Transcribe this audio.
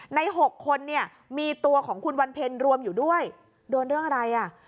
๖คนเนี่ยมีตัวของคุณวันเพ็ญรวมอยู่ด้วยโดนเรื่องอะไรอ่ะ